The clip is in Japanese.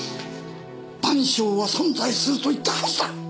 『晩鐘』は存在すると言ったはずだ！